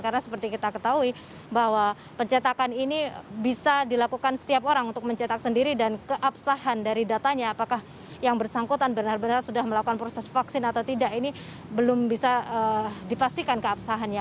karena seperti kita ketahui bahwa pencetakan ini bisa dilakukan setiap orang untuk mencetak sendiri dan keapsahan dari datanya apakah yang bersangkutan benar benar sudah melakukan proses vaksin atau tidak ini belum bisa dipastikan keapsahannya